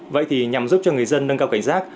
vậy thì nhằm giúp cho người dân nâng cao cảnh giác